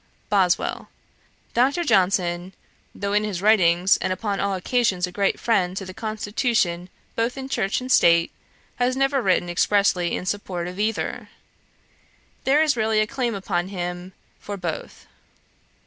BOSWELL. 'Dr. Johnson, though in his writings, and upon all occasions a great friend to the constitution both in church and state, has never written expressly in support of either. There is really a claim upon him for both.